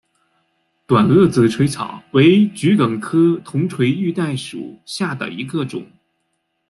短萼紫锤草为桔梗科铜锤玉带属下的一个种。